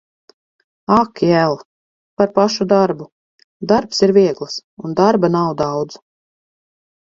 Ak jel! Par pašu darbu. Darbs ir viegls un darba nav daudz.